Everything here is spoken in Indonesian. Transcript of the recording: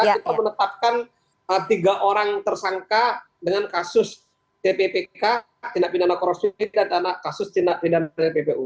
kita menetapkan tiga orang tersangka dengan kasus tppk tindak pidana korupsi dan kasus tindak pidana tppu